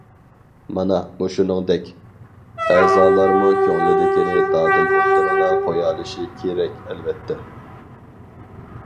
مانا مۇشۇنىڭدەك، ئەزالارمۇ كۆڭلىدىكىنى دادىل ئوتتۇرىغا قۇيالىشى كېرەك ئەلۋەتتە.